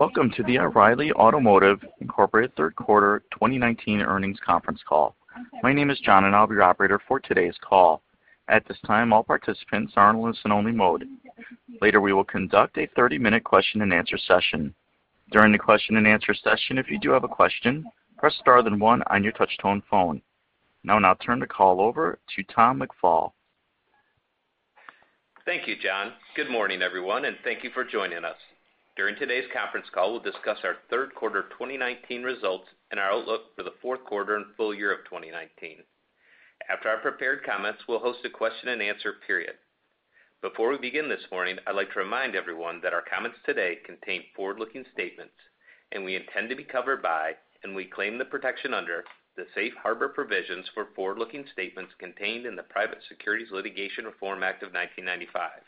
Welcome to the O'Reilly Automotive Incorporated third quarter 2019 earnings conference call. My name is John, and I'll be your operator for today's call. At this time, all participants are in listen-only mode. Later, we will conduct a 30-minute question and answer session. During the question and answer session, if you do have a question, press star then one on your touch-tone phone. Now I'll turn the call over to Tom McFall. Thank you, John. Good morning, everyone, and thank you for joining us. During today's conference call, we'll discuss our third quarter 2019 results and our outlook for the fourth quarter and full year of 2019. After our prepared comments, we'll host a question and answer period. Before we begin this morning, I'd like to remind everyone that our comments today contain forward-looking statements, and we intend to be covered by and we claim the protection under the safe harbor provisions for forward-looking statements contained in the Private Securities Litigation Reform Act of 1995.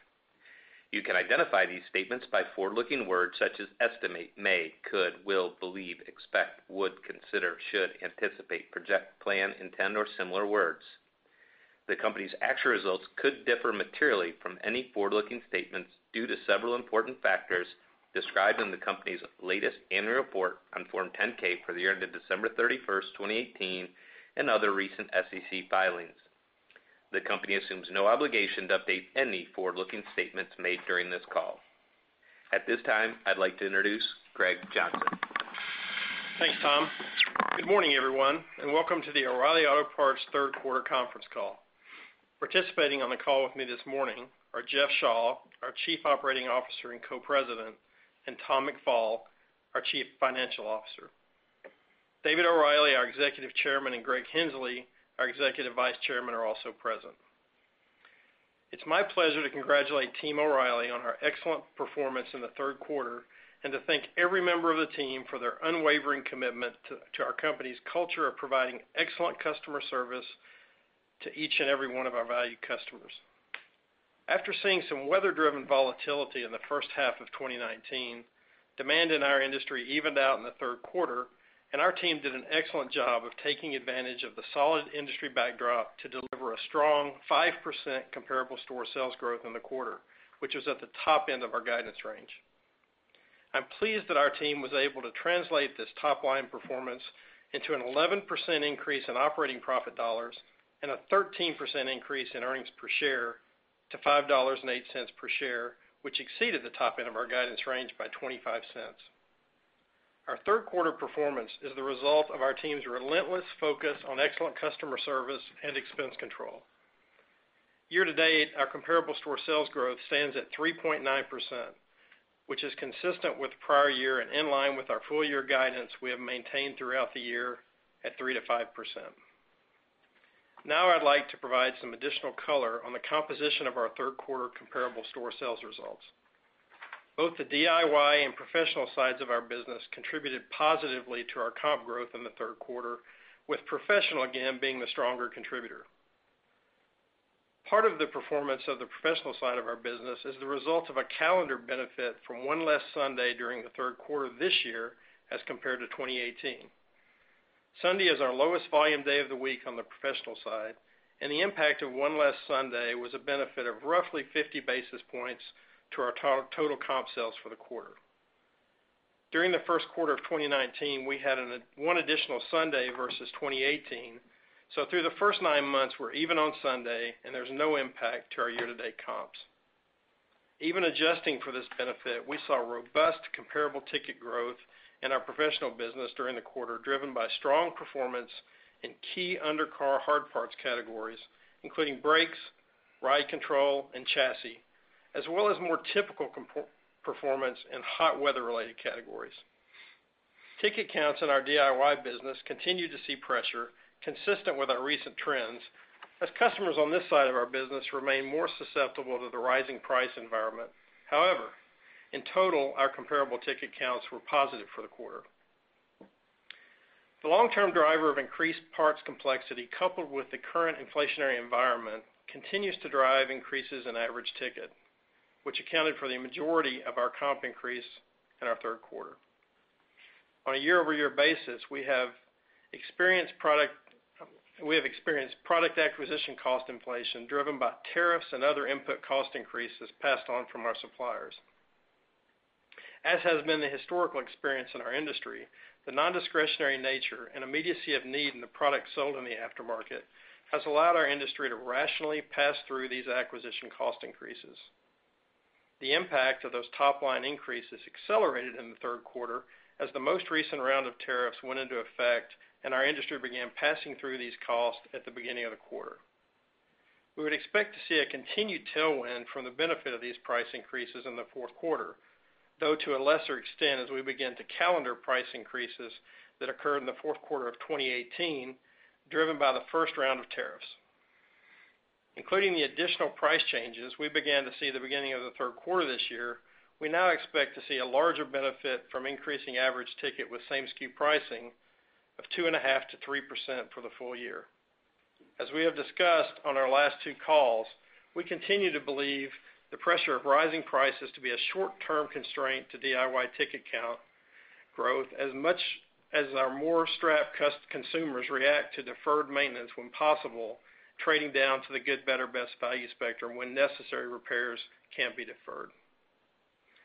You can identify these statements by forward-looking words such as estimate, may, could, will, believe, expect, would, consider, should, anticipate, project, plan, intend, or similar words. The company's actual results could differ materially from any forward-looking statements due to several important factors described in the company's latest annual report on Form 10-K for the year ended December 31st, 2018, and other recent SEC filings. The company assumes no obligation to update any forward-looking statements made during this call. At this time, I'd like to introduce Greg Johnson. Thanks, Tom. Good morning, everyone, and welcome to the O'Reilly Auto Parts third quarter conference call. Participating on the call with me this morning are Jeff Shaw, our Chief Operating Officer and Co-President, and Tom McFall, our Chief Financial Officer. David O'Reilly, our Executive Chairman, and Greg Henslee, our Executive Vice Chairman, are also present. It's my pleasure to congratulate Team O'Reilly on our excellent performance in the third quarter and to thank every member of the team for their unwavering commitment to our company's culture of providing excellent customer service to each and every one of our valued customers. After seeing some weather-driven volatility in the first half of 2019, demand in our industry evened out in the third quarter, and our team did an excellent job of taking advantage of the solid industry backdrop to deliver a strong 5% comparable store sales growth in the quarter, which was at the top end of our guidance range. I'm pleased that our team was able to translate this top-line performance into an 11% increase in operating profit dollars and a 13% increase in earnings per share to $5.08 per share, which exceeded the top end of our guidance range by $0.25. Our third quarter performance is the result of our team's relentless focus on excellent customer service and expense control. Year-to-date, our comparable store sales growth stands at 3.9%, which is consistent with prior year and in line with our full-year guidance we have maintained throughout the year at 3%-5%. Now I'd like to provide some additional color on the composition of our third quarter comparable store sales results. Both the DIY and professional sides of our business contributed positively to our comp growth in the third quarter, with professional again being the stronger contributor. Part of the performance of the professional side of our business is the result of a calendar benefit from one less Sunday during the third quarter this year as compared to 2018. Sunday is our lowest volume day of the week on the professional side, and the impact of one less Sunday was a benefit of roughly 50 basis points to our total comp sales for the quarter. During the first quarter of 2019, we had one additional Sunday versus 2018, through the first nine months, we're even on Sunday and there's no impact to our year-to-date comps. Even adjusting for this benefit, we saw robust comparable ticket growth in our professional business during the quarter, driven by strong performance in key undercar hard parts categories, including brakes, ride control, and chassis, as well as more typical performance in hot weather-related categories. Ticket counts in our DIY business continued to see pressure consistent with our recent trends as customers on this side of our business remain more susceptible to the rising price environment. In total, our comparable ticket counts were positive for the quarter. The long-term driver of increased parts complexity, coupled with the current inflationary environment, continues to drive increases in average ticket, which accounted for the majority of our comp increase in our third quarter. On a year-over-year basis, we have experienced product acquisition cost inflation driven by tariffs and other input cost increases passed on from our suppliers. As has been the historical experience in our industry, the non-discretionary nature and immediacy of need in the products sold in the aftermarket has allowed our industry to rationally pass through these acquisition cost increases. The impact of those top-line increases accelerated in the third quarter as the most recent round of tariffs went into effect and our industry began passing through these costs at the beginning of the quarter. We would expect to see a continued tailwind from the benefit of these price increases in the fourth quarter, though to a lesser extent as we begin to calendar price increases that occurred in the fourth quarter of 2018, driven by the first round of tariffs. Including the additional price changes we began to see the beginning of the third quarter this year, we now expect to see a larger benefit from increasing average ticket with same-SKU pricing of 2.5%-3% for the full year. As we have discussed on our last two calls, we continue to believe the pressure of rising prices to be a short-term constraint to DIY ticket count growth as much as our more strapped consumers react to deferred maintenance when possible, trading down to the good, better, best value spectrum when necessary repairs can't be deferred.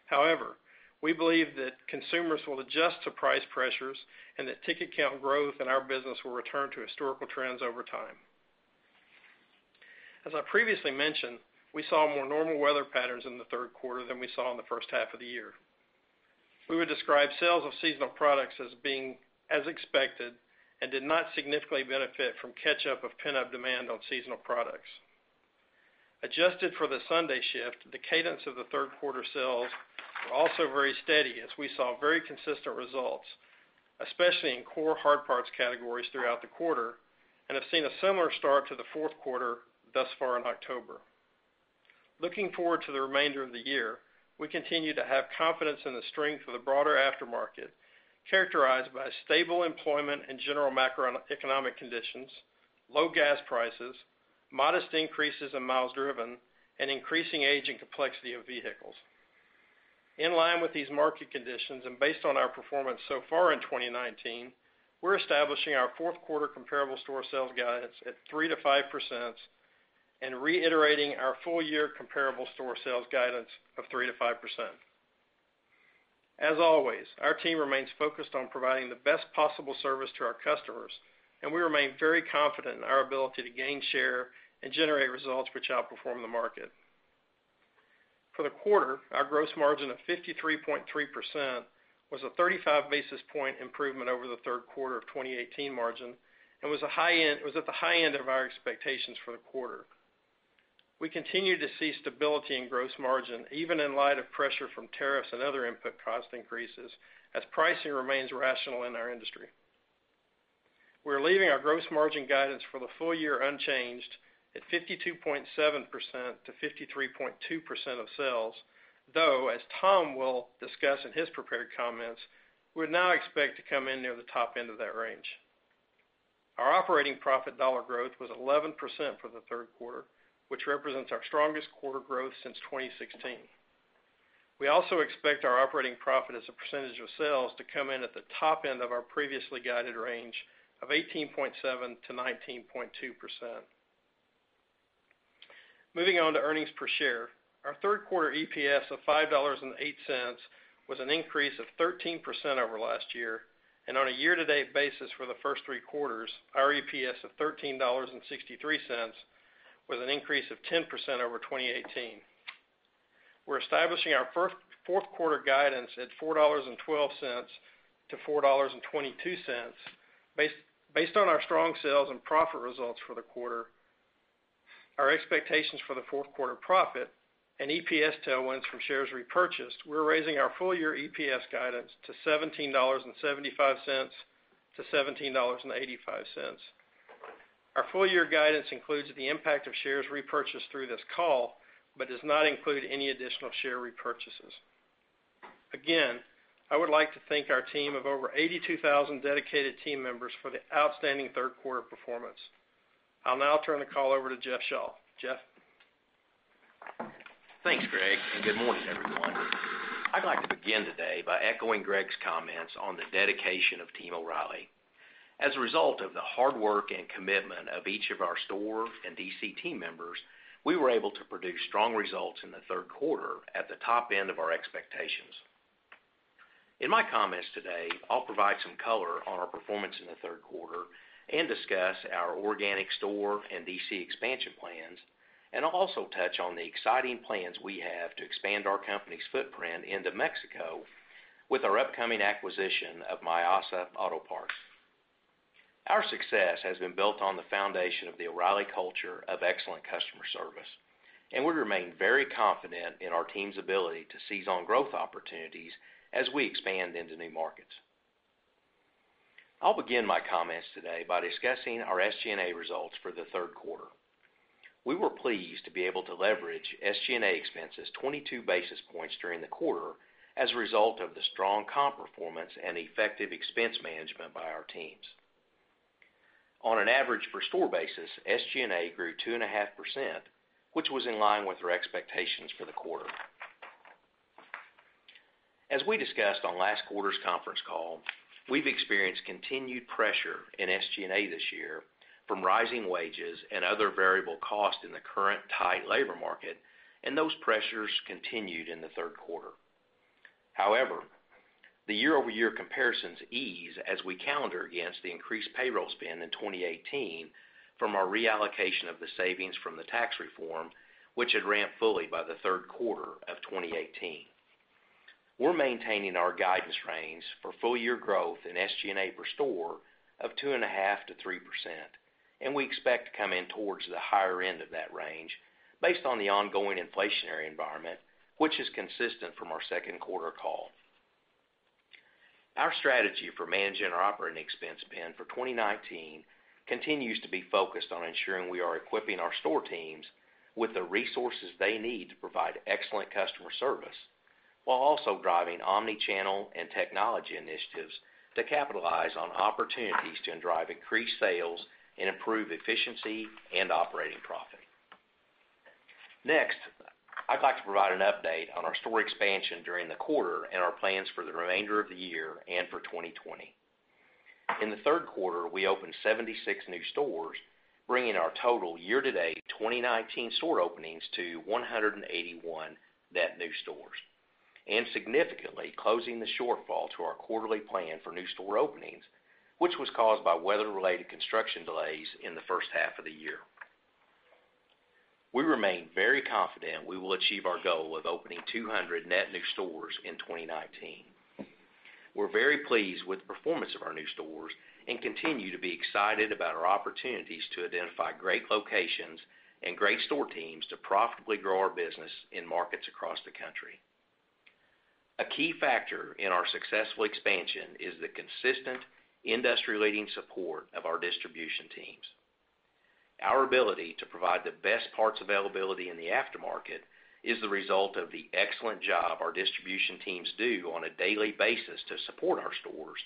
However, we believe that consumers will adjust to price pressures and that ticket count growth in our business will return to historical trends over time. As I previously mentioned, we saw more normal weather patterns in the third quarter than we saw in the first half of the year. We would describe sales of seasonal products as being as expected and did not significantly benefit from catch-up of pent-up demand on seasonal products. Adjusted for the Sunday shift, the cadence of the third quarter sales were also very steady as we saw very consistent results, especially in core hard parts categories throughout the quarter, and have seen a similar start to the fourth quarter thus far in October. Looking forward to the remainder of the year, we continue to have confidence in the strength of the broader aftermarket, characterized by stable employment and general macroeconomic conditions, low gas prices, modest increases in miles driven, and increasing age and complexity of vehicles. In line with these market conditions, and based on our performance so far in 2019, we're establishing our fourth quarter comparable store sales guidance at 3%-5% and reiterating our full-year comparable store sales guidance of 3%-5%. As always, our team remains focused on providing the best possible service to our customers, and we remain very confident in our ability to gain share and generate results which outperform the market. For the quarter, our gross margin of 53.3% was a 35 basis point improvement over the third quarter of 2018 margin and was at the high end of our expectations for the quarter. We continue to see stability in gross margin, even in light of pressure from tariffs and other input cost increases, as pricing remains rational in our industry. We're leaving our gross margin guidance for the full year unchanged at 52.7%-53.2% of sales, though, as Tom will discuss in his prepared comments, we would now expect to come in near the top end of that range. Our operating profit dollar growth was 11% for the third quarter, which represents our strongest quarter growth since 2016. We also expect our operating profit as a percentage of sales to come in at the top end of our previously guided range of 18.7%-19.2%. Moving on to earnings per share. Our third quarter EPS of $5.08 was an increase of 13% over last year, and on a year-to-date basis for the first three quarters, our EPS of $13.63 was an increase of 10% over 2018. We're establishing our fourth quarter guidance at $4.12-$4.22. Based on our strong sales and profit results for the quarter, our expectations for the fourth quarter profit, and EPS tailwinds from shares repurchased, we're raising our full-year EPS guidance to $17.75-$17.85. Our full-year guidance includes the impact of shares repurchased through this call, but does not include any additional share repurchases. Again, I would like to thank our team of over 82,000 dedicated team members for the outstanding third quarter performance. I'll now turn the call over to Jeff Shaw. Jeff? Thanks, Greg. Good morning, everyone. I'd like to begin today by echoing Greg's comments on the dedication of Team O'Reilly. As a result of the hard work and commitment of each of our store and DC team members, we were able to produce strong results in the third quarter at the top end of our expectations. In my comments today, I'll provide some color on our performance in the third quarter and discuss our organic store and DC expansion plans. I'll also touch on the exciting plans we have to expand our company's footprint into Mexico with our upcoming acquisition of Mayasa Auto Parts. Our success has been built on the foundation of the O'Reilly culture of excellent customer service. We remain very confident in our team's ability to seize on growth opportunities as we expand into new markets. I'll begin my comments today by discussing our SG&A results for the third quarter. We were pleased to be able to leverage SG&A expenses 22 basis points during the quarter as a result of the strong comp performance and effective expense management by our teams. On an average per store basis, SG&A grew 2.5%, which was in line with our expectations for the quarter. As we discussed on last quarter's conference call, we've experienced continued pressure in SG&A this year from rising wages and other variable costs in the current tight labor market, and those pressures continued in the third quarter. The year-over-year comparisons ease as we calendar against the increased payroll spend in 2018 from our reallocation of the savings from the tax reform, which had ramped fully by the third quarter of 2018. We're maintaining our guidance range for full-year growth in SG&A per store of 2.5%-3%, and we expect to come in towards the higher end of that range based on the ongoing inflationary environment, which is consistent from our second quarter call. Our strategy for managing our operating expense spend for 2019 continues to be focused on ensuring we are equipping our store teams with the resources they need to provide excellent customer service while also driving omnichannel and technology initiatives to capitalize on opportunities to drive increased sales and improve efficiency and operating profit. Next, I'd like to provide an update on our store expansion during the quarter and our plans for the remainder of the year and for 2020. In the third quarter, we opened 76 new stores, bringing our total year-to-date 2019 store openings to 181 net new stores, and significantly closing the shortfall to our quarterly plan for new store openings, which was caused by weather-related construction delays in the first half of the year. We remain very confident we will achieve our goal of opening 200 net new stores in 2019. We're very pleased with the performance of our new stores and continue to be excited about our opportunities to identify great locations and great store teams to profitably grow our business in markets across the country. A key factor in our successful expansion is the consistent industry-leading support of our distribution teams. Our ability to provide the best parts availability in the aftermarket is the result of the excellent job our distribution teams do on a daily basis to support our stores,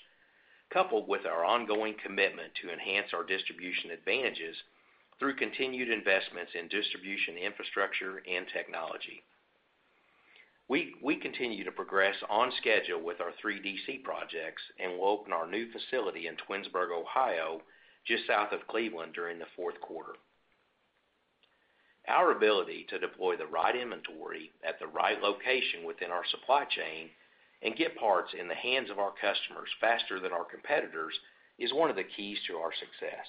coupled with our ongoing commitment to enhance our distribution advantages through continued investments in distribution infrastructure and technology. We continue to progress on schedule with our three DC projects, and we'll open our new facility in Twinsburg, Ohio, just south of Cleveland, during the fourth quarter. Our ability to deploy the right inventory at the right location within our supply chain and get parts in the hands of our customers faster than our competitors is one of the keys to our success.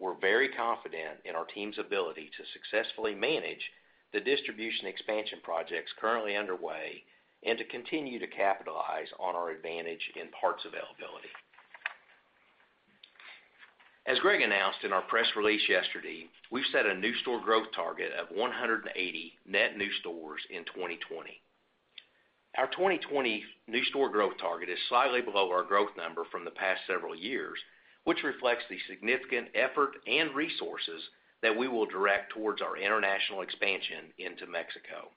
We're very confident in our team's ability to successfully manage the distribution expansion projects currently underway and to continue to capitalize on our advantage in parts availability. As Greg announced in our press release yesterday, we've set a new store growth target of 180 net new stores in 2020. Our 2020 new store growth target is slightly below our growth number from the past several years, which reflects the significant effort and resources that we will direct towards our international expansion into Mexico.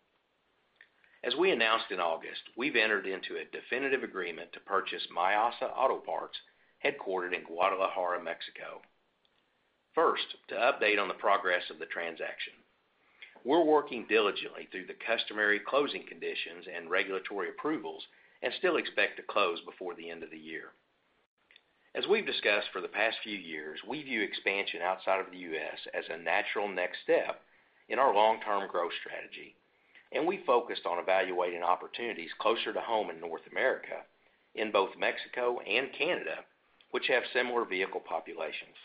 As we announced in August, we've entered into a definitive agreement to purchase Mayasa Auto Parts, headquartered in Guadalajara, Mexico. First, to update on the progress of the transaction. We're working diligently through the customary closing conditions and regulatory approvals and still expect to close before the end of the year. As we've discussed for the past few years, we view expansion outside of the U.S. as a natural next step in our long-term growth strategy, and we focused on evaluating opportunities closer to home in North America, in both Mexico and Canada, which have similar vehicle populations.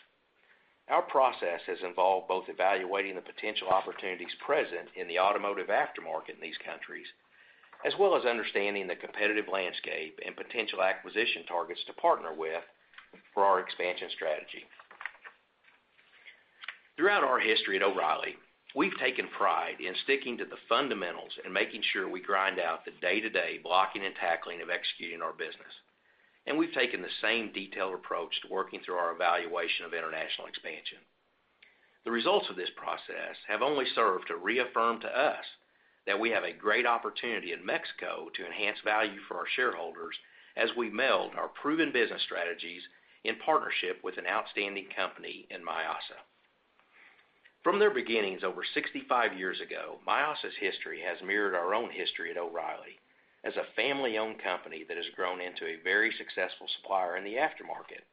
Our process has involved both evaluating the potential opportunities present in the automotive aftermarket in these countries, as well as understanding the competitive landscape and potential acquisition targets to partner with for our expansion strategy. Throughout our history at O’Reilly, we've taken pride in sticking to the fundamentals and making sure we grind out the day-to-day blocking and tackling of executing our business. We've taken the same detailed approach to working through our evaluation of international expansion. The results of this process have only served to reaffirm to us that we have a great opportunity in Mexico to enhance value for our shareholders as we meld our proven business strategies in partnership with an outstanding company in Mayasa. From their beginnings over 65 years ago, Mayasa's history has mirrored our own history at O’Reilly as a family-owned company that has grown into a very successful supplier in the aftermarket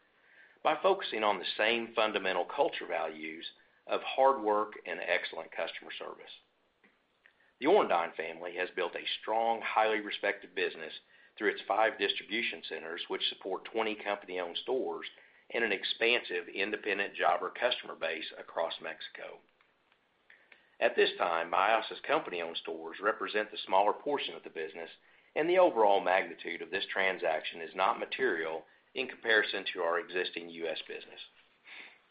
by focusing on the same fundamental culture values of hard work and excellent customer service. The Orendain family has built a strong, highly respected business through its five distribution centers, which support 20 company-owned stores and an expansive independent jobber customer base across Mexico. At this time, Mayasa's company-owned stores represent the smaller portion of the business, and the overall magnitude of this transaction is not material in comparison to our existing U.S. business.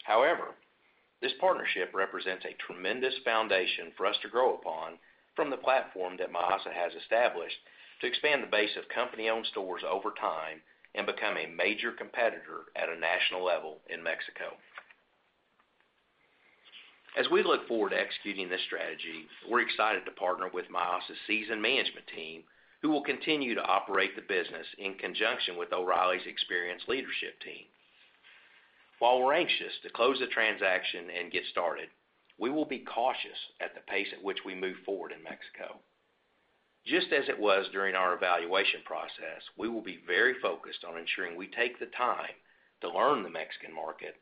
However, this partnership represents a tremendous foundation for us to grow upon from the platform that Mayasa has established to expand the base of company-owned stores over time and become a major competitor at a national level in Mexico. As we look forward to executing this strategy, we're excited to partner with Mayasa's seasoned management team, who will continue to operate the business in conjunction with O’Reilly's experienced leadership team. While we're anxious to close the transaction and get started, we will be cautious at the pace at which we move forward in Mexico. Just as it was during our evaluation process, we will be very focused on ensuring we take the time to learn the Mexican market,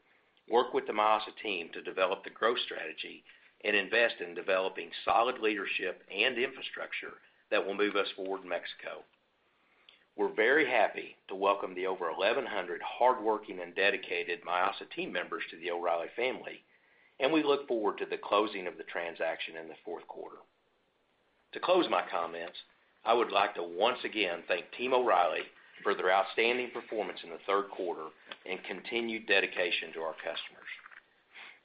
work with the Mayasa team to develop the growth strategy, and invest in developing solid leadership and infrastructure that will move us forward in Mexico. We're very happy to welcome the over 1,100 hardworking and dedicated Mayasa team members to the O’Reilly family, and we look forward to the closing of the transaction in the fourth quarter. To close my comments, I would like to once again thank team O’Reilly for their outstanding performance in the third quarter and continued dedication to our customers.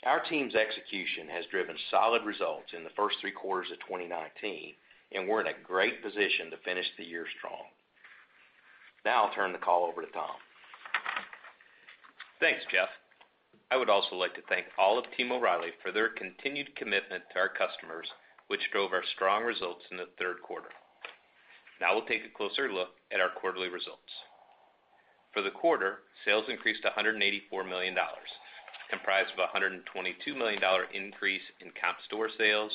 Our team's execution has driven solid results in the first three quarters of 2019, and we're in a great position to finish the year strong. Now I'll turn the call over to Tom. Thanks, Jeff. I would also like to thank all of team O’Reilly for their continued commitment to our customers, which drove our strong results in the third quarter. Now we'll take a closer look at our quarterly results. For the quarter, sales increased to $184 million, comprised of a $122 million increase in comp store sales,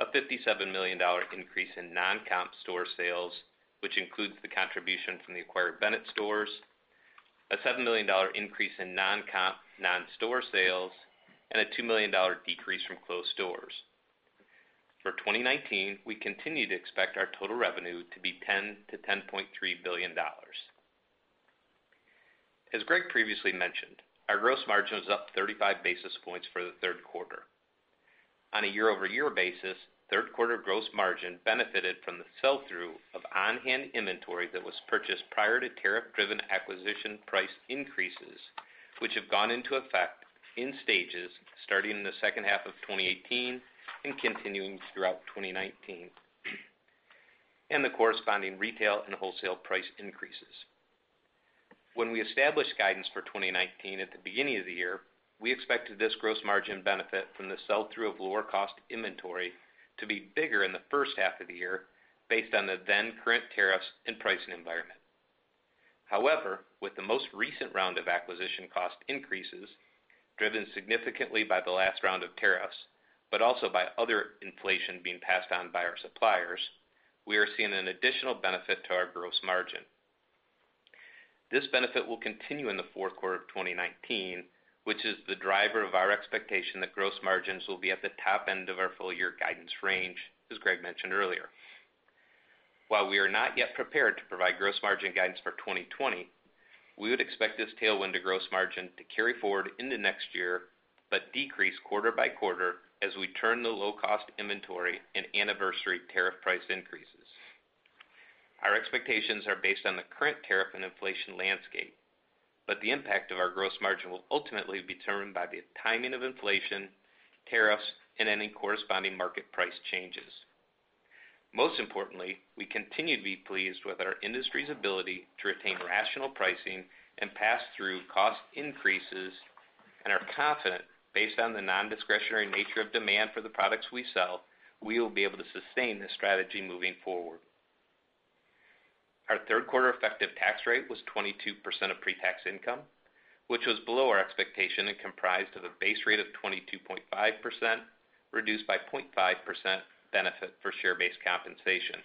a $57 million increase in non-comp store sales, which includes the contribution from the acquired Bennett stores, a $7 million increase in non-comp non-store sales, and a $2 million decrease from closed stores. For 2019, we continue to expect our total revenue to be $10 billion-$10.3 billion. As Greg previously mentioned, our gross margin was up 35 basis points for the third quarter. On a year-over-year basis, third quarter gross margin benefited from the sell-through of on-hand inventory that was purchased prior to tariff-driven acquisition price increases, which have gone into effect in stages starting in the second half of 2018 and continuing throughout 2019, and the corresponding retail and wholesale price increases. When we established guidance for 2019 at the beginning of the year, we expected this gross margin benefit from the sell-through of lower cost inventory to be bigger in the first half of the year, based on the then current tariffs and pricing environment. However, with the most recent round of acquisition cost increases, driven significantly by the last round of tariffs, but also by other inflation being passed on by our suppliers, we are seeing an additional benefit to our gross margin. This benefit will continue in the fourth quarter of 2019, which is the driver of our expectation that gross margins will be at the top end of our full year guidance range, as Greg mentioned earlier. While we are not yet prepared to provide gross margin guidance for 2020, we would expect this tailwind to gross margin to carry forward into next year, but decrease quarter by quarter as we turn the low-cost inventory and anniversary tariff price increases. Our expectations are based on the current tariff and inflation landscape, but the impact of our gross margin will ultimately be determined by the timing of inflation, tariffs, and any corresponding market price changes. Most importantly, we continue to be pleased with our industry's ability to retain rational pricing and pass through cost increases, and are confident, based on the non-discretionary nature of demand for the products we sell, we will be able to sustain this strategy moving forward. Our third quarter effective tax rate was 22% of pre-tax income, which was below our expectation and comprised of a base rate of 22.5%, reduced by 0.5% benefit for share-based compensation,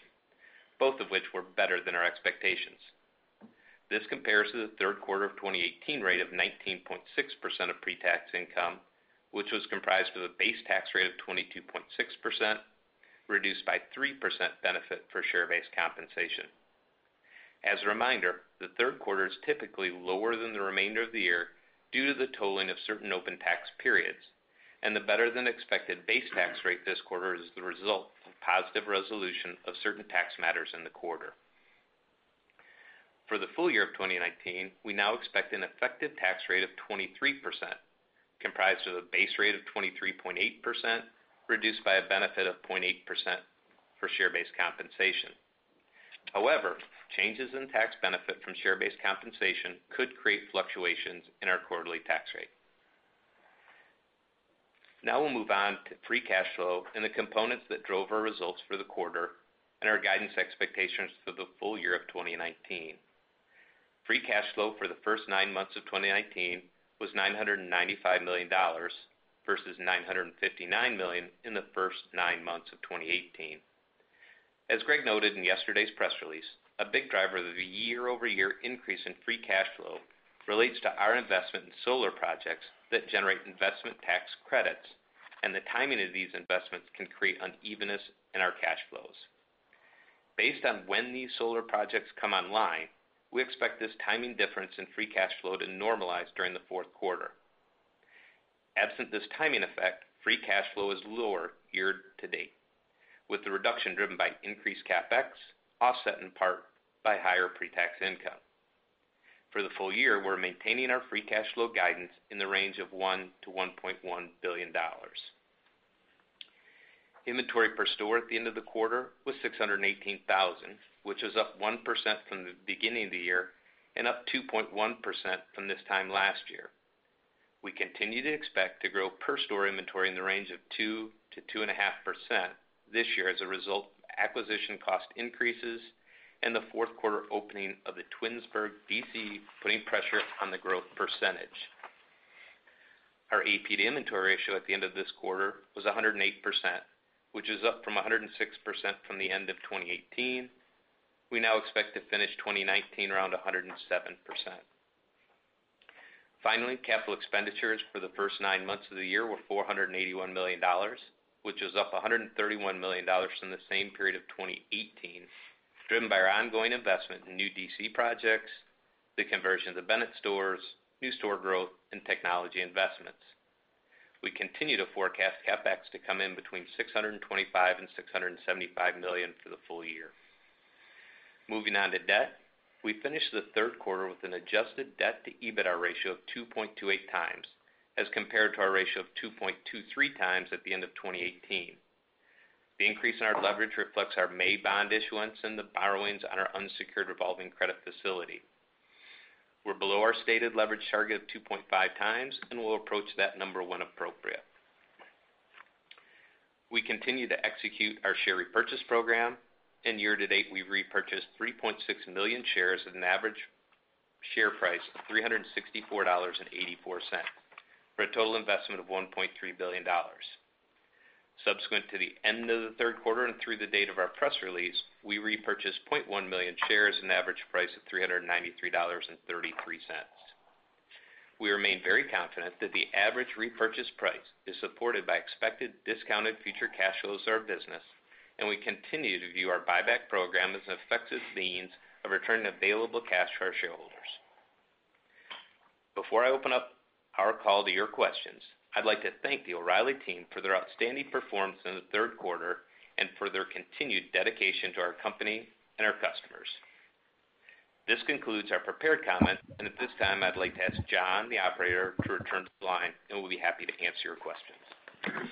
both of which were better than our expectations. This compares to the third quarter of 2018 rate of 19.6% of pre-tax income, which was comprised of a base tax rate of 22.6%, reduced by 3% benefit for share-based compensation. As a reminder, the third quarter is typically lower than the remainder of the year due to the totaling of certain open tax periods, and the better-than-expected base tax rate this quarter is the result of positive resolution of certain tax matters in the quarter. For the full year of 2019, we now expect an effective tax rate of 23%, comprised of a base rate of 23.8%, reduced by a benefit of 0.8% for share-based compensation. However, changes in tax benefit from share-based compensation could create fluctuations in our quarterly tax rate. Now we'll move on to free cash flow and the components that drove our results for the quarter and our guidance expectations for the full year of 2019. Free cash flow for the first nine months of 2019 was $995 million versus $959 million in the first nine months of 2018. As Greg noted in yesterday's press release, a big driver of the year-over-year increase in free cash flow relates to our investment in solar projects that generate investment tax credits, and the timing of these investments can create unevenness in our cash flows. Based on when these solar projects come online, we expect this timing difference in free cash flow to normalize during the fourth quarter. Absent this timing effect, free cash flow is lower year to date, with the reduction driven by increased CapEx offset in part by higher pre-tax income. For the full year, we're maintaining our free cash flow guidance in the range of $1 billion-$1.1 billion. Inventory per store at the end of the quarter was 618,000, which is up 1% from the beginning of the year and up 2.1% from this time last year. We continue to expect to grow per store inventory in the range of 2%-2.5% this year as a result of acquisition cost increases and the fourth quarter opening of the Twinsburg DC putting pressure on the growth %. Our AP-to-inventory ratio at the end of this quarter was 108%, which is up from 106% from the end of 2018. We now expect to finish 2019 around 107%. Finally, capital expenditures for the first nine months of the year were $481 million, which is up $131 million from the same period of 2018, driven by our ongoing investment in new DC projects, the conversion to Bennett stores, new store growth, and technology investments. We continue to forecast CapEx to come in between $625 million and $675 million for the full year. Moving on to debt. We finished the third quarter with an adjusted debt to EBITDA ratio of 2.28 times as compared to our ratio of 2.23 times at the end of 2018. The increase in our leverage reflects our May bond issuance and the borrowings on our unsecured revolving credit facility. We're below our stated leverage target of 2.5 times, and we'll approach that number when appropriate. We continue to execute our share repurchase program. In year-to-date, we've repurchased 3.6 million shares at an average share price of $364.84, for a total investment of $1.3 billion. Subsequent to the end of the third quarter and through the date of our press release, we repurchased 0.1 million shares at an average price of $393.33. We remain very confident that the average repurchase price is supported by expected discounted future cash flows of our business. We continue to view our buyback program as an effective means of returning available cash to our shareholders. Before I open up our call to your questions, I'd like to thank the O'Reilly team for their outstanding performance in the third quarter and for their continued dedication to our company and our customers. This concludes our prepared comments. At this time, I'd like to ask John, the operator, to return to the line. We'll be happy to answer your questions.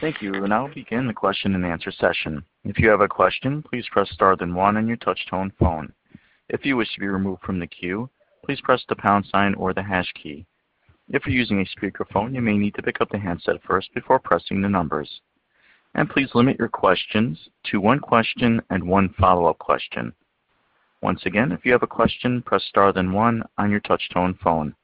Thank you. We'll now begin the question and answer session. If you have a question, please press star then one on your touch-tone phone. If you wish to be removed from the queue, please press the pound sign or the hash key. If you're using a speakerphone, you may need to pick up the handset first before pressing the numbers. Please limit your questions to one question and one follow-up question. Once again, if you have a question, press star then one on your touch-tone phone.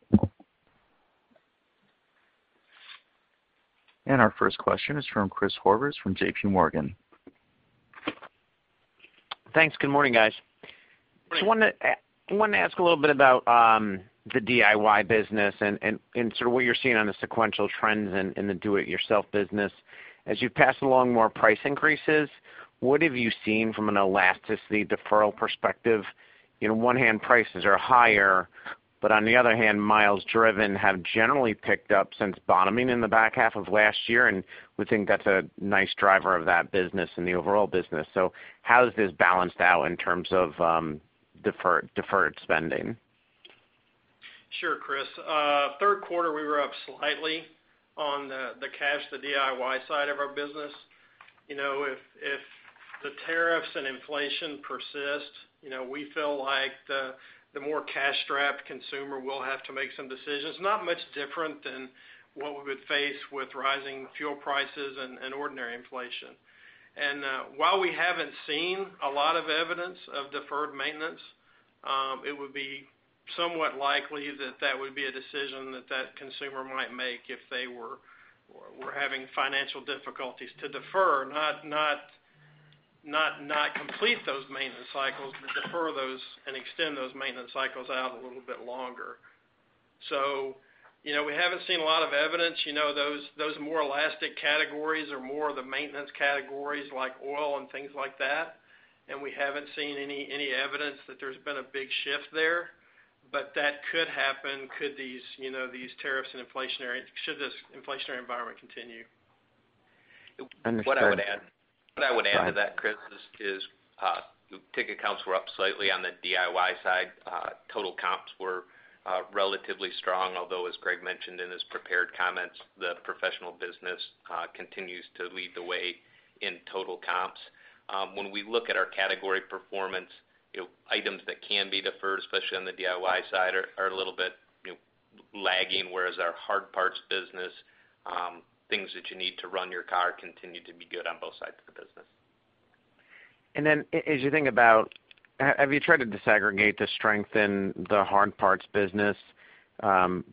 Our first question is from Chris Horvers from JPMorgan. Thanks. Good morning, guys. Great. Just wanted to ask a little bit about the DIY business and sort of what you're seeing on the sequential trends in the do-it-yourself business. As you pass along more price increases, what have you seen from an elasticity deferral perspective? On one hand, prices are higher, but on the other hand, miles driven have generally picked up since bottoming in the back half of last year, and we think that's a nice driver of that business and the overall business. How has this balanced out in terms of deferred spending? Sure, Chris. Third quarter, we were up slightly on the cash, the DIY side of our business. If the tariffs and inflation persist, we feel like the more cash-strapped consumer will have to make some decisions, not much different than what we would face with rising fuel prices and ordinary inflation. While we haven't seen a lot of evidence of deferred maintenance, it would be somewhat likely that that would be a decision that consumer might make if they were having financial difficulties to defer, not complete those maintenance cycles, but defer those and extend those maintenance cycles out a little bit longer. We haven't seen a lot of evidence. Those more elastic categories are more the maintenance categories, like oil and things like that, we haven't seen any evidence that there's been a big shift there. That could happen should this inflationary environment continue. Understood. What I would add to that, Chris, is ticket counts were up slightly on the DIY side. Total comps were relatively strong, although, as Greg mentioned in his prepared comments, the professional business continues to lead the way in total comps. When we look at our category performance, items that can be deferred, especially on the DIY side, are a little bit lagging, whereas our hard parts business, things that you need to run your car continue to be good on both sides of the business. As you think about, have you tried to disaggregate the strength in the hard parts business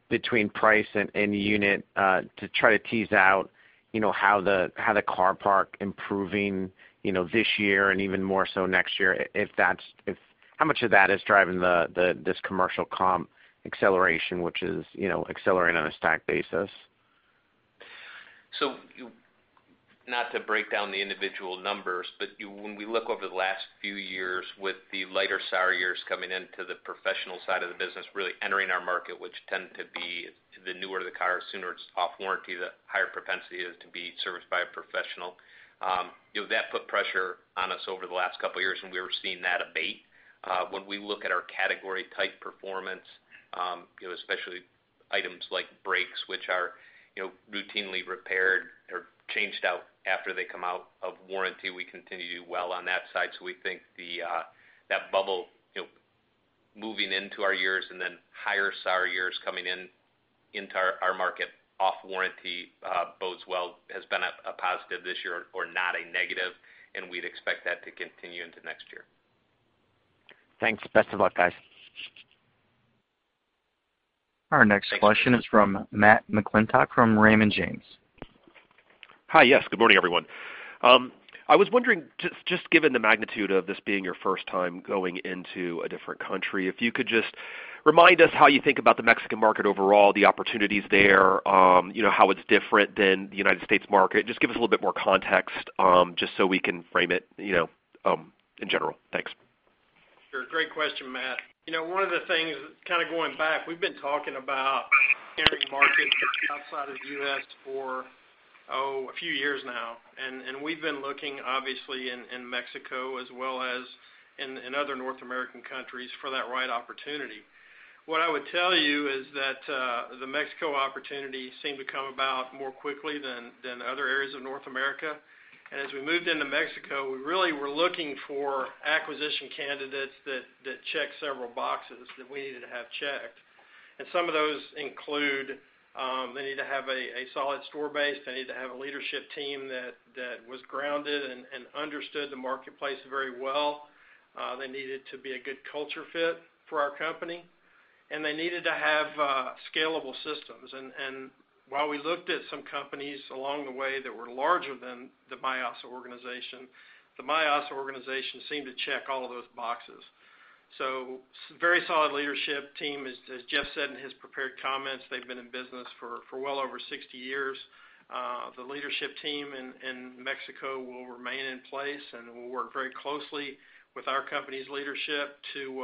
between price and unit to try to tease out how the car park improving this year and even more so next year? How much of that is driving this commercial comp acceleration, which is accelerating on a stack basis? Not to break down the individual numbers, but when we look over the last few years with the lighter SAR years coming into the professional side of the business, really entering our market, which tend to be the newer the car, the sooner it's off warranty, the higher propensity it is to be serviced by a professional. That put pressure on us over the last couple of years, and we were seeing that abate. When we look at our category type performance, especially items like brakes, which are routinely repaired or changed out after they come out of warranty, we continue to do well on that side. We think that bubble moving into our years and then higher SAR years coming into our market off warranty bodes well, has been a positive this year or not a negative, and we'd expect that to continue into next year. Thanks. Best of luck, guys. Our next question is from Matt McClintock from Raymond James. Hi, yes. Good morning, everyone. I was wondering, just given the magnitude of this being your first time going into a different country, if you could just remind us how you think about the Mexican market overall, the opportunities there, how it's different than the United States market. Just give us a little bit more context just so we can frame it in general. Thanks. Sure. Great question, Matt. One of the things, kind of going back, we've been talking about entering markets outside of the U.S. for a few years now. We've been looking obviously in Mexico as well as in other North American countries for that right opportunity. What I would tell you is that the Mexico opportunity seemed to come about more quickly than other areas of North America. As we moved into Mexico, we really were looking for acquisition candidates that checked several boxes that we needed to have checked. Some of those include. They need to have a solid store base, they need to have a leadership team that was grounded and understood the marketplace very well. They needed to be a good culture fit for our company, and they needed to have scalable systems. While we looked at some companies along the way that were larger than the Mayasa organization, the Mayasa organization seemed to check all of those boxes. Very solid leadership team. As Jeff said in his prepared comments, they've been in business for well over 60 years. The leadership team in Mexico will remain in place and will work very closely with our company's leadership to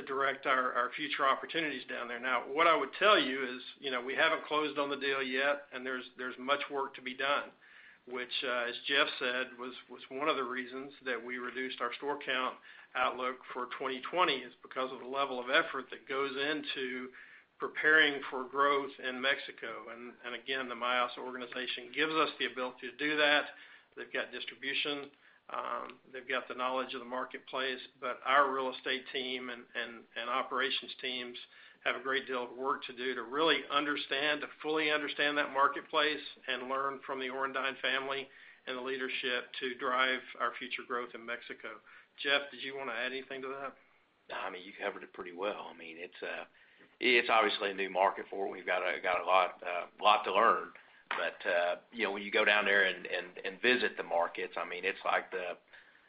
direct our future opportunities down there. What I would tell you is, we haven't closed on the deal yet, and there's much work to be done, which, as Jeff said, was one of the reasons that we reduced our store count outlook for 2020, is because of the level of effort that goes into preparing for growth in Mexico. Again, the Mayasa organization gives us the ability to do that. They've got distribution, they've got the knowledge of the marketplace, but our real estate team and operations teams have a great deal of work to do to really understand, to fully understand that marketplace and learn from the Orendain family and the leadership to drive our future growth in Mexico. Jeff, did you want to add anything to that? No, you covered it pretty well. It's obviously a new market. We've got a lot to learn. When you go down there and visit the markets, it's like the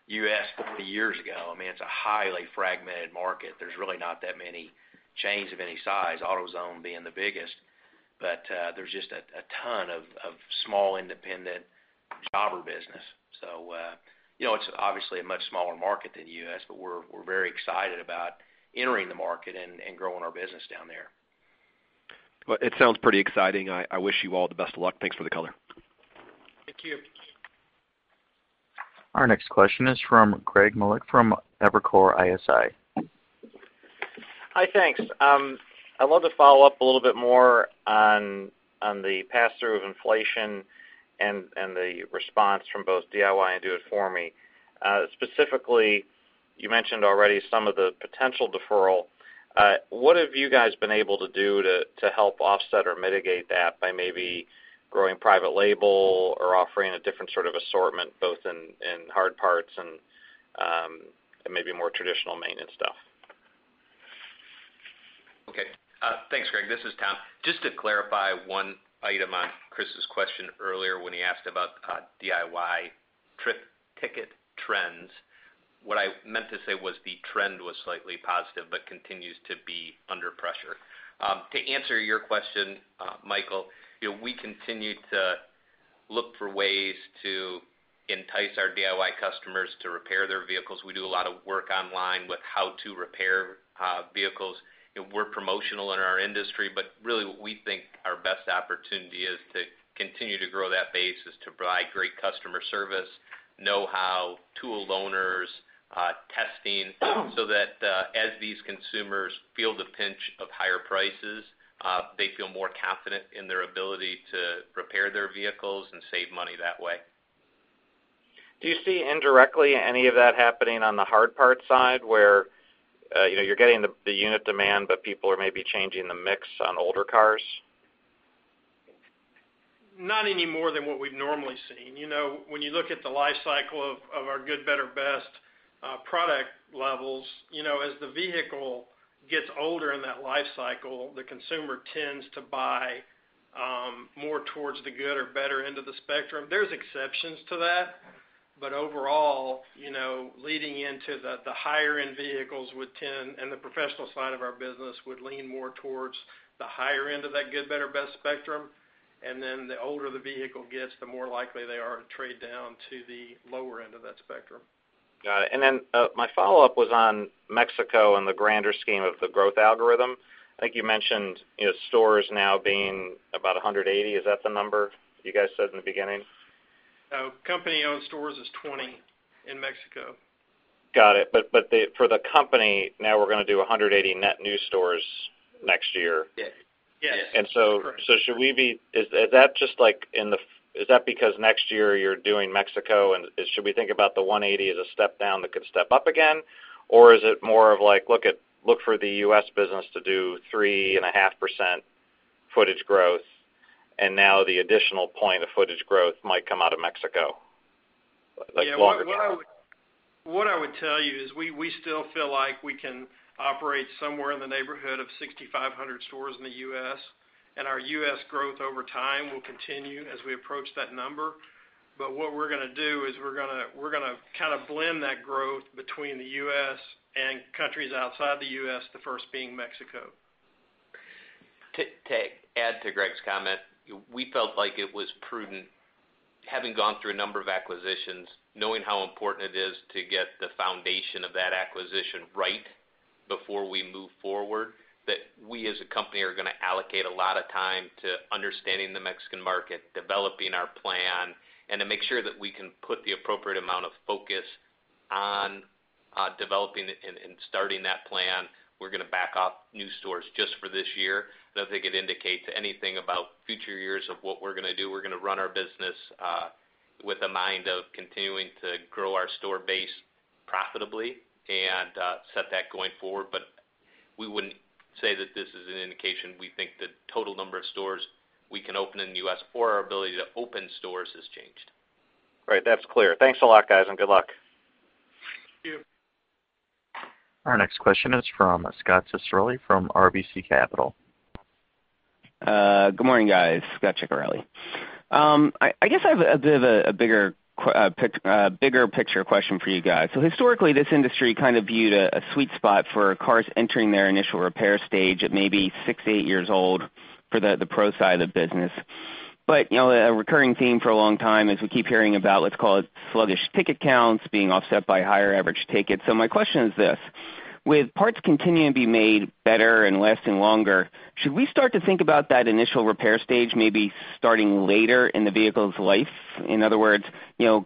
U.S. 40 years ago. It's a highly fragmented market. There's really not that many chains of any size, AutoZone being the biggest. There's just a ton of small independent jobber business. It's obviously a much smaller market than U.S., but we're very excited about entering the market and growing our business down there. Well, it sounds pretty exciting. I wish you all the best of luck. Thanks for the color. Thank you. Our next question is from Greg Melich from Evercore ISI. Hi, thanks. I'd love to follow up a little bit more on the pass-through of inflation and the response from both DIY and Do It For Me. Specifically, you mentioned already some of the potential deferral. What have you guys been able to do to help offset or mitigate that by maybe growing private label or offering a different sort of assortment, both in hard parts and maybe more traditional maintenance stuff? Okay. Thanks, Greg. This is Tom. Just to clarify one item on Chris's question earlier when he asked about DIY ticket trends. What I meant to say was the trend was slightly positive but continues to be under pressure. To answer your question, Greg, we continue to look for ways to entice our DIY customers to repair their vehicles. We do a lot of work online with how to repair vehicles, and we're promotional in our industry, but really what we think our best opportunity is to continue to grow that base is to provide great customer service, know-how, tool loaners, testing, so that as these consumers feel the pinch of higher prices, they feel more confident in their ability to repair their vehicles and save money that way. Do you see indirectly any of that happening on the hard parts side where you're getting the unit demand, but people are maybe changing the mix on older cars? Not any more than what we've normally seen. When you look at the life cycle of our good, better, best product levels, as the vehicle gets older in that life cycle, the consumer tends to buy more towards the good or better end of the spectrum. There's exceptions to that, but overall, leading into the higher-end vehicles would tend, and the professional side of our business would lean more towards the higher end of that good, better, best spectrum. The older the vehicle gets, the more likely they are to trade down to the lower end of that spectrum. Got it. My follow-up was on Mexico and the grander scheme of the growth algorithm. I think you mentioned stores now being about 180. Is that the number you guys said in the beginning? No, company-owned stores is 20 in Mexico. Got it. For the company, now we're going to do 180 net new stores next year. Yes. And so- Correct is that because next year you're doing Mexico, and should we think about the 180 as a step down that could step up again? Is it more of like, look for the U.S. business to do 3.5% footage growth, and now the additional point of footage growth might come out of Mexico longer term? What I would tell you is we still feel like we can operate somewhere in the neighborhood of 6,500 stores in the U.S., and our U.S. growth over time will continue as we approach that number. What we're going to do is we're going to kind of blend that growth between the U.S. and countries outside the U.S., the first being Mexico. To add to Greg's comment, we felt like it was prudent, having gone through a number of acquisitions, knowing how important it is to get the foundation of that acquisition right before we move forward, that we as a company are going to allocate a lot of time to understanding the Mexican market, developing our plan, and to make sure that we can put the appropriate amount of focus on developing and starting that plan. We're going to back off new stores just for this year. I don't think it indicates anything about future years of what we're going to do. We're going to run our business with a mind of continuing to grow our store base profitably and set that going forward. We wouldn't say that this is an indication we think the total number of stores we can open in the U.S. or our ability to open stores has changed. Right. That's clear. Thanks a lot, guys, and good luck. Thank you. Our next question is from Scot Ciccarelli from RBC Capital. Good morning, guys. Scot Ciccarelli. I guess I have a bit of a bigger picture question for you guys. Historically, this industry kind of viewed a sweet spot for cars entering their initial repair stage at maybe six to eight years old for the pro side of the business. A recurring theme for a long time is we keep hearing about let's call it sluggish ticket counts being offset by higher average tickets. My question is this: With parts continuing to be made better and lasting longer, should we start to think about that initial repair stage maybe starting later in the vehicle's life? In other words,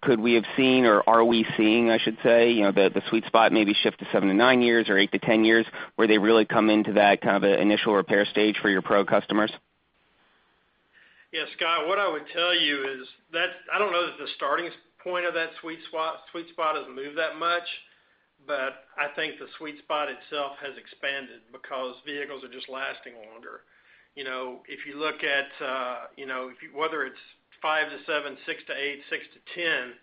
could we have seen, or are we seeing, I should say, the sweet spot maybe shift to 7-9 years or 8-10 years, where they really come into that kind of initial repair stage for your pro customers? Yeah, Scot, what I would tell you is that I don't know that the starting point of that sweet spot has moved that much, but I think the sweet spot itself has expanded because vehicles are just lasting longer. If you look at whether it's five to seven, six to eight, six to 10,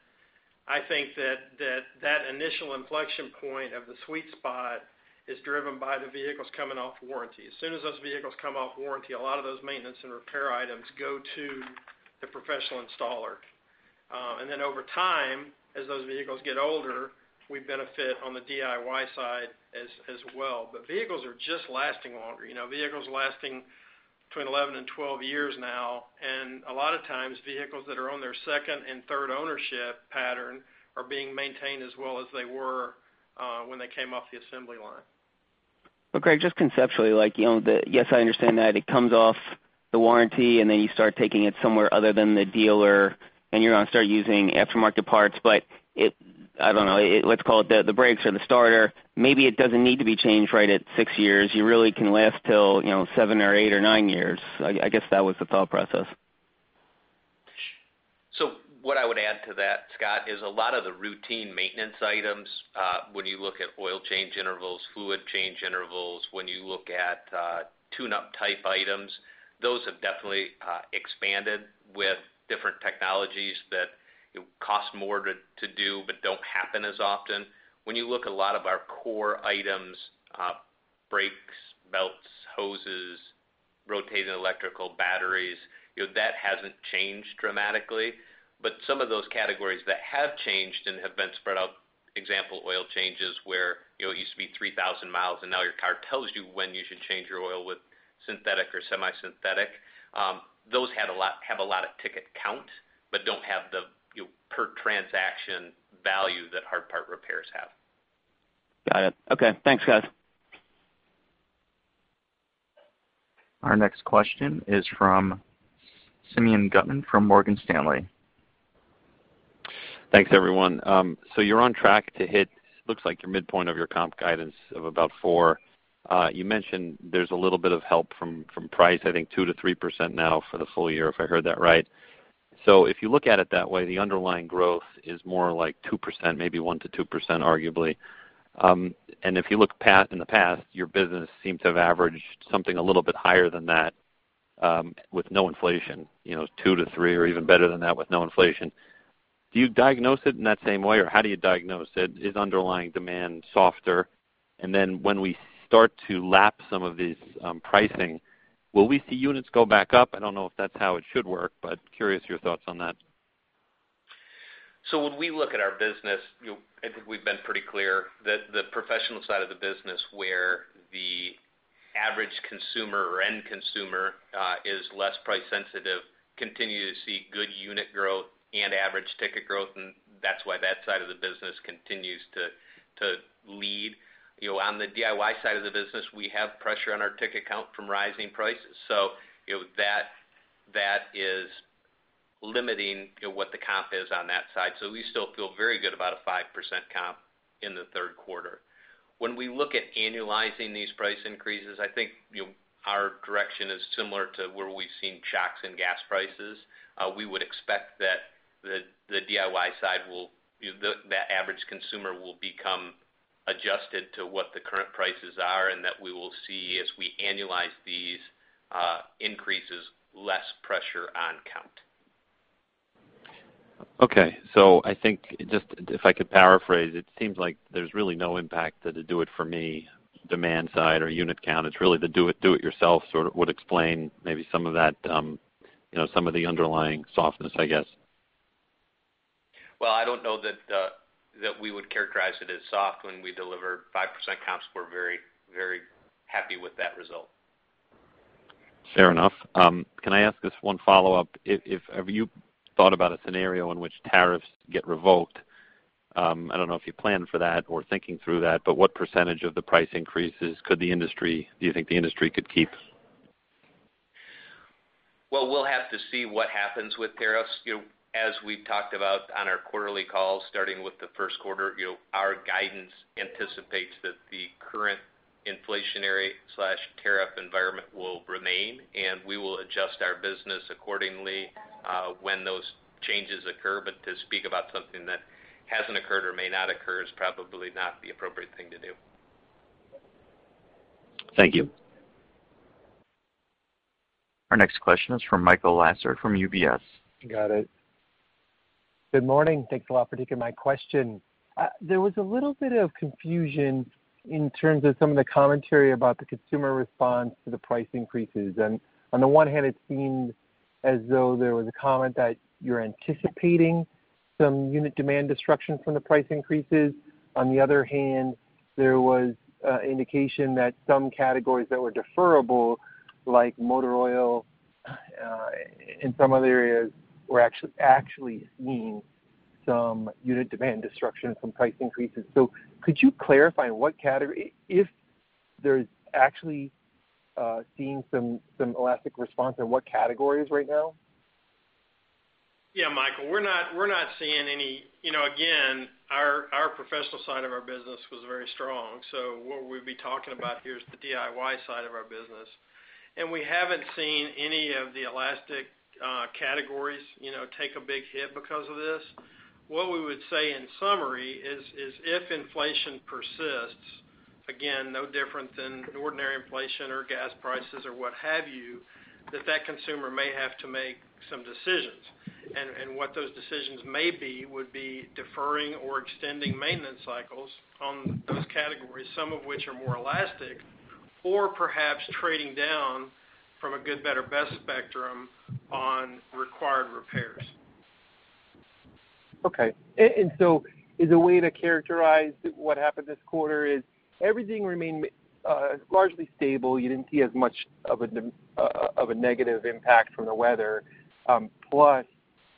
I think that that initial inflection point of the sweet spot is driven by the vehicles coming off warranty. As soon as those vehicles come off warranty, a lot of those maintenance and repair items go to the professional installer. Over time, as those vehicles get older, we benefit on the DIY side as well. Vehicles are just lasting longer. Vehicles lasting between 11 and 12 years now, and a lot of times, vehicles that are on their second and third ownership pattern are being maintained as well as they were when they came off the assembly line. Greg, just conceptually, yes, I understand that it comes off the warranty, and then you start taking it somewhere other than the dealer, and you're going to start using aftermarket parts, but I don't know, let's call it the brakes or the starter. Maybe it doesn't need to be changed right at six years. You really can last till seven or eight or nine years. I guess that was the thought process. What I would add to that, Scot, is a lot of the routine maintenance items, when you look at oil change intervals, fluid change intervals, when you look at tune-up type items, those have definitely expanded with different technologies that cost more to do but don't happen as often. When you look a lot of our core items brakes, belts, hoses, rotating electrical batteries, that hasn't changed dramatically. Some of those categories that have changed and have been spread out, example, oil changes, where it used to be 3,000 miles, and now your car tells you when you should change your oil with synthetic or semi-synthetic. Those have a lot of ticket count but don't have the per-transaction value that hard part repairs have. Got it. Okay. Thanks, guys. Our next question is from Simeon Gutman from Morgan Stanley. Thanks, everyone. You're on track to hit, looks like, your midpoint of your comp guidance of about 4%. You mentioned there's a little bit of help from price, I think 2%-3% now for the full year, if I heard that right. If you look at it that way, the underlying growth is more like 2%, maybe 1%-2%, arguably. If you look in the past, your business seemed to have averaged something a little bit higher than that with no inflation, 2%-3% or even better than that with no inflation. Do you diagnose it in that same way, or how do you diagnose it? Is underlying demand softer? When we start to lap some of these pricing, will we see units go back up? I don't know if that's how it should work, curious your thoughts on that. When we look at our business, I think we've been pretty clear that the professional side of the business, where the average consumer or end consumer is less price-sensitive, continue to see good unit growth and average ticket growth, and that's why that side of the business continues to lead. On the DIY side of the business, we have pressure on our ticket count from rising prices, that is limiting what the comp is on that side. We still feel very good about a 5% comp in the third quarter. When we look at annualizing these price increases, I think our direction is similar to where we've seen shocks in gas prices. We would expect that the DIY side the average consumer will become adjusted to what the current prices are and that we will see as we annualize these increases, less pressure on count. Okay. I think just if I could paraphrase, it seems like there's really no impact to the Do It For Me demand side or unit count. It's really the Do It Yourself sort of would explain maybe some of the underlying softness, I guess. Well, I don't know that we would characterize it as soft when we deliver 5% comps. We're very happy with that result. Fair enough. Can I ask just one follow-up? Have you thought about a scenario in which tariffs get revoked? I don't know if you planned for that or thinking through that. What percentage of the price increases do you think the industry could keep? Well, we'll have to see what happens with tariffs. As we've talked about on our quarterly calls, starting with the first quarter, our guidance anticipates that the current inflationary/tariff environment will remain, and we will adjust our business accordingly when those changes occur. To speak about something that hasn't occurred or may not occur is probably not the appropriate thing to do. Thank you. Our next question is from Michael Lasser from UBS. Got it. Good morning. Thanks a lot for taking my question. There was a little bit of confusion in terms of some of the commentary about the consumer response to the price increases. On the one hand, it seemed as though there was a comment that you're anticipating some unit demand destruction from the price increases. On the other hand, there was indication that some categories that were deferrable, like motor oil and some other areas, were actually seeing some unit demand destruction from price increases. Could you clarify what category if there's actually seeing some elastic response in what categories right now? Michael, we're not seeing any. Our professional side of our business was very strong. What we'd be talking about here is the DIY side of our business. We haven't seen any of the elastic categories take a big hit because of this. What we would say in summary is if inflation persists, again, no different than ordinary inflation or gas prices or what have you, that consumer may have to make some decisions. What those decisions may be would be deferring or extending maintenance cycles on those categories, some of which are more elastic or perhaps trading down from a good-better-best spectrum on required repairs. Okay. Is a way to characterize what happened this quarter is everything remained largely stable. You didn't see as much of a negative impact from the weather, plus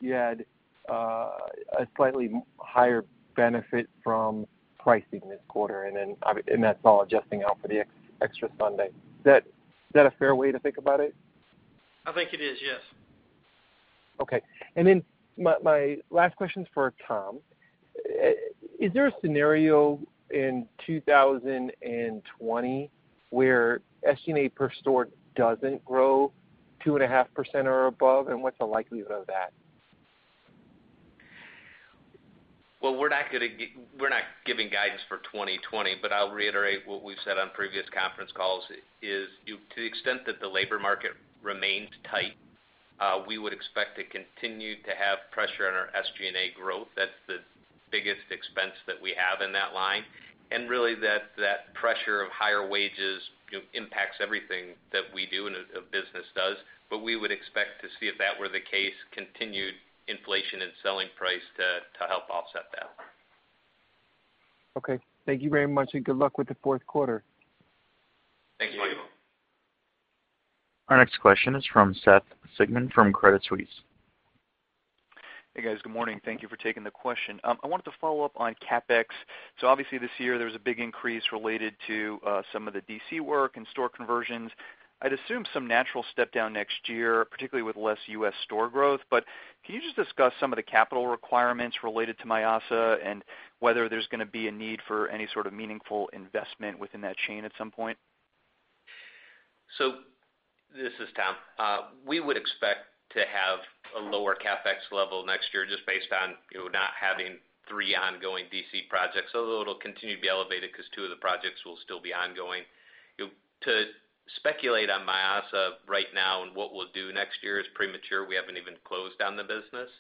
you had a slightly higher benefit from pricing this quarter, and that's all adjusting out for the extra Sunday. Is that a fair way to think about it? I think it is, yes. Okay. My last question is for Tom. Is there a scenario in 2020 where SG&A per store doesn't grow 2.5% or above, and what's the likelihood of that? Well, we're not giving guidance for 2020, but I'll reiterate what we've said on previous conference calls is to the extent that the labor market remains tight, we would expect to continue to have pressure on our SG&A growth. That's the biggest expense that we have in that line, and really that pressure of higher wages impacts everything that we do and a business does. We would expect to see if that were the case, continued inflation in selling price to help offset that. Okay. Thank you very much. Good luck with the fourth quarter. Thank you. Thank you. Our next question is from Seth Sigman from Credit Suisse. Hey, guys. Good morning. Thank you for taking the question. I wanted to follow up on CapEx. Obviously this year there was a big increase related to some of the DC work and store conversions. I'd assume some natural step down next year, particularly with less U.S. store growth. Can you just discuss some of the capital requirements related to Mayasa and whether there's going to be a need for any sort of meaningful investment within that chain at some point? This is Tom. We would expect to have a lower CapEx level next year just based on not having three ongoing DC projects, although it'll continue to be elevated because two of the projects will still be ongoing. To speculate on Mayasa right now and what we'll do next year is premature. We haven't even closed down the business.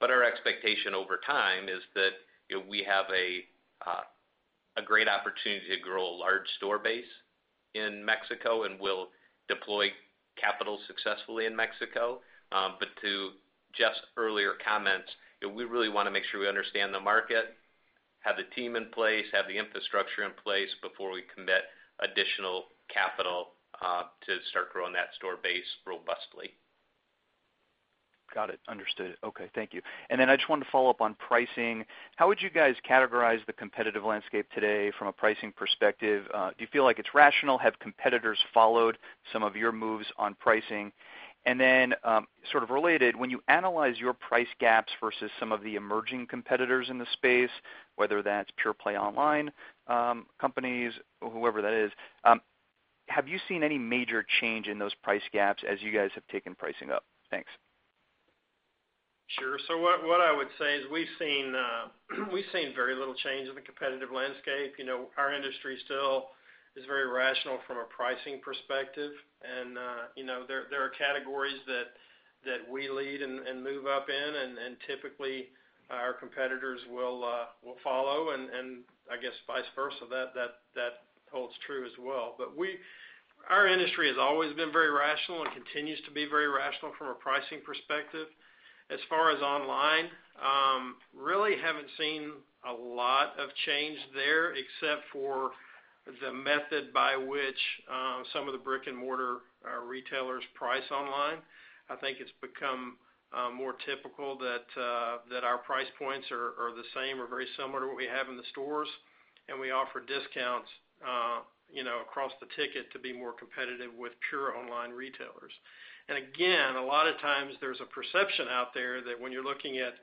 Our expectation over time is that we have a great opportunity to grow a large store base in Mexico and will deploy capital successfully in Mexico. To Jeff's earlier comments, we really want to make sure we understand the market, have the team in place, have the infrastructure in place before we commit additional capital to start growing that store base robustly. Got it. Understood. Okay. Thank you. Then I just wanted to follow up on pricing. How would you guys categorize the competitive landscape today from a pricing perspective? Do you feel like it's rational? Have competitors followed some of your moves on pricing? Then sort of related, when you analyze your price gaps versus some of the emerging competitors in the space, whether that's pure play online companies or whoever that is, have you seen any major change in those price gaps as you guys have taken pricing up? Thanks. Sure. What I would say is we've seen very little change in the competitive landscape. Our industry still is very rational from a pricing perspective. There are categories that we lead and move up in, and typically, our competitors will follow, and I guess vice versa. That holds true as well. Our industry has always been very rational and continues to be very rational from a pricing perspective. As far as online, really haven't seen a lot of change there except for the method by which some of the brick-and-mortar retailers price online. I think it's become more typical that our price points are the same or very similar to what we have in the stores, and we offer discounts across the ticket to be more competitive with pure online retailers. Again, a lot of times there's a perception out there that when you're looking at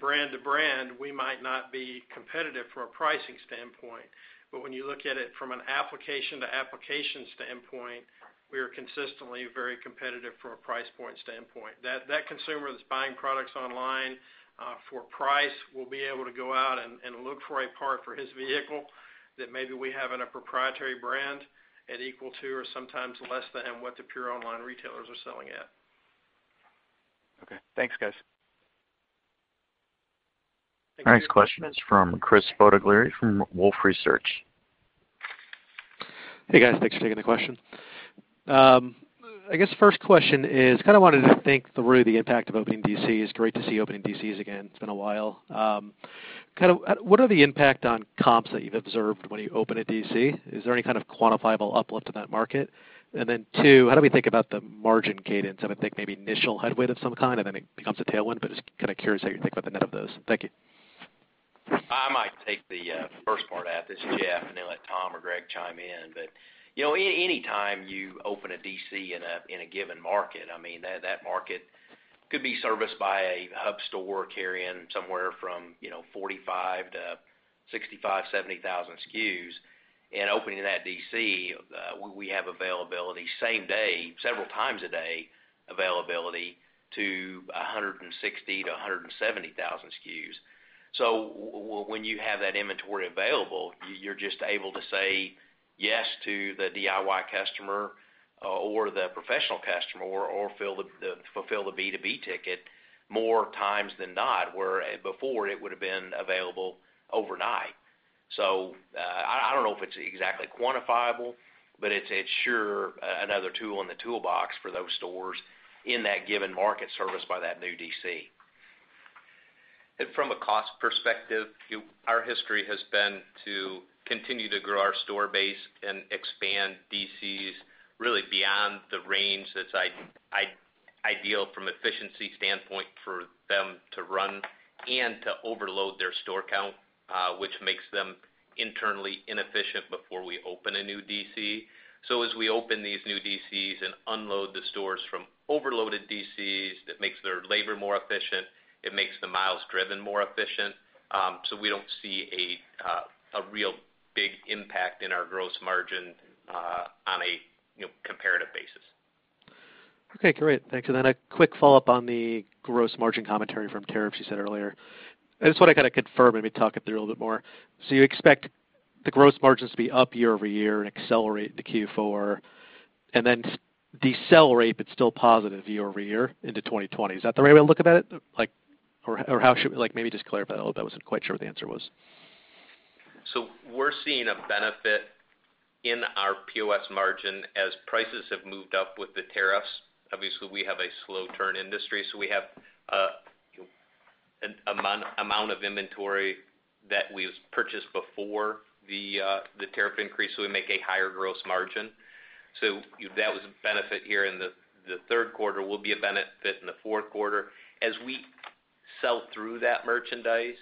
brand to brand, we might not be competitive from a pricing standpoint. When you look at it from an application to application standpoint, we are consistently very competitive from a price point standpoint. That consumer that's buying products online for price will be able to go out and look for a part for his vehicle that maybe we have in a proprietary brand at equal to or sometimes less than what the pure online retailers are selling at. Okay. Thanks, guys. Our next question is from Chris Bottiglieri from Wolfe Research. Hey, guys. Thanks for taking the question. I guess first question is, kind of wanted to think through the impact of opening DCs. Great to see opening DCs again. It's been a while. What is the impact on comps that you've observed when you open a DC? Is there any kind of quantifiable uplift in that market? Two, how do we think about the margin cadence? I would think maybe initial headwind of some kind, and then it becomes a tailwind, but just kind of curious how you think about the net of those. Thank you. I might take the first part at this, Jeff, and then let Tom or Greg chime in. Anytime you open a DC in a given market, that market could be serviced by a hub store carrying somewhere from 45,000-65,000 SKUs, 70,000 SKUs. Opening that DC, we have availability same day, several times a day availability to 160,000-170,000 SKUs. When you have that inventory available, you're just able to say yes to the DIY customer or the professional customer or fulfill the B2B ticket more times than not, where before it would have been available overnight. I don't know if it's exactly quantifiable, but it's sure another tool in the toolbox for those stores in that given market serviced by that new DC. From a cost perspective, our history has been to continue to grow our store base and expand DCs really beyond the range that's ideal from efficiency standpoint for them to run and to overload their store count, which makes them internally inefficient before we open a new DC. As we open these new DCs and unload the stores from overloaded DCs, it makes their labor more efficient, it makes the miles driven more efficient. We don't see a real big impact in our gross margin on a comparative basis. Okay, great. Thanks. A quick follow-up on the gross margin commentary from tariffs you said earlier. I just want to kind of confirm and maybe talk it through a little bit more. You expect the gross margins to be up year-over-year and accelerate into Q4, and then decelerate, but still positive year-over-year into 2020. Is that the right way to look at it? Maybe just clarify that a little bit. I wasn't quite sure what the answer was. We're seeing a benefit in our POS margin as prices have moved up with the tariffs. Obviously, we have a slow turn industry, so we have amount of inventory that we purchased before the tariff increase, so we make a higher gross margin. That was a benefit here in the third quarter, will be a benefit in the fourth quarter. As we sell through that merchandise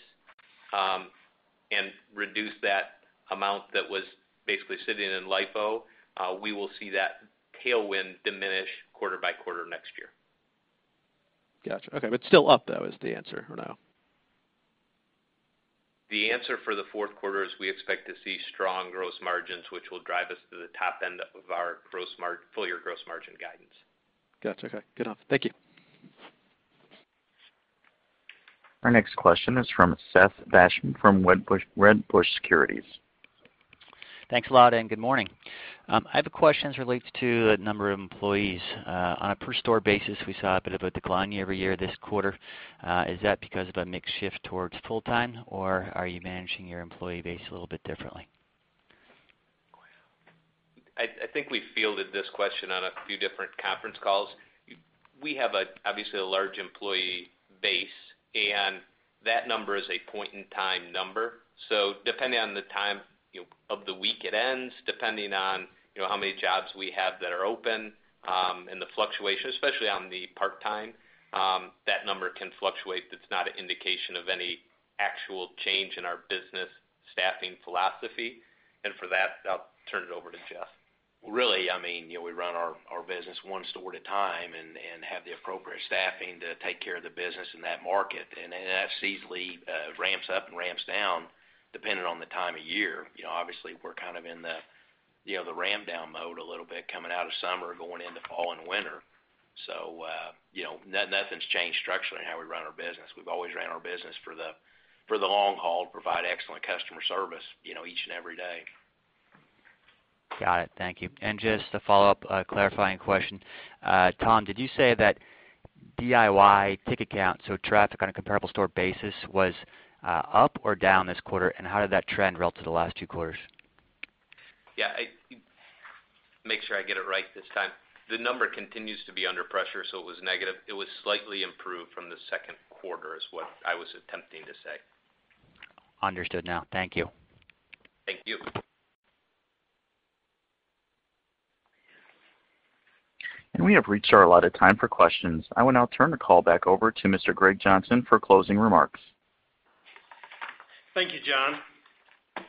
and reduce that amount that was basically sitting in LIFO, we will see that tailwind diminish quarter by quarter next year. Got you. Okay. Still up, though, is the answer or no? The answer for the fourth quarter is we expect to see strong gross margins, which will drive us to the top end of our full-year gross margin guidance. Got you. Okay. Good enough. Thank you. Our next question is from Seth Basham from Wedbush Securities. Thanks a lot, good morning. I have a question as it relates to the number of employees. On a per store basis, we saw a bit of a decline year-over-year this quarter. Is that because of a mix shift towards full-time, or are you managing your employee base a little bit differently? I think I fielded this question on a few different conference calls. We have obviously a large employee base, that number is a point-in-time number. Depending on the time of the week it ends, depending on how many jobs we have that are open and the fluctuation, especially on the part-time, that number can fluctuate. That's not an indication of any actual change in our business staffing philosophy. For that, I'll turn it over to Jeff. Really, we run our business one store at a time and have the appropriate staffing to take care of the business in that market. That seasonally ramps up and ramps down depending on the time of year. Obviously, we're kind of in the ramp down mode a little bit coming out of summer, going into fall and winter. Nothing's changed structurally in how we run our business. We've always ran our business for the long haul to provide excellent customer service each and every day. Got it. Thank you. Just a follow-up clarifying question. Tom, did you say that DIY ticket count, so traffic on a comparable store basis, was up or down this quarter, and how did that trend relative to the last two quarters? Yeah. Make sure I get it right this time. The number continues to be under pressure, so it was negative. It was slightly improved from the second quarter is what I was attempting to say. Understood now. Thank you. Thank you. We have reached our allotted time for questions. I will now turn the call back over to Mr. Greg Johnson for closing remarks. Thank you, John.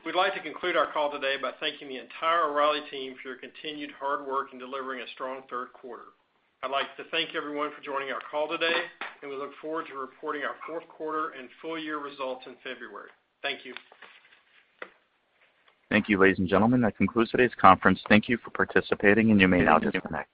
We'd like to conclude our call today by thanking the entire O’Reilly team for your continued hard work in delivering a strong third quarter. I'd like to thank everyone for joining our call today. We look forward to reporting our fourth quarter and full year results in February. Thank you. Thank you, ladies and gentlemen. That concludes today's conference. Thank you for participating, and you may now disconnect.